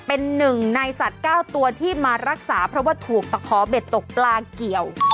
เป็นหนึ่งในสัตว์๙ตัวที่มารักษาเพราะว่าถูกตะขอเบ็ดตกปลาเกี่ยว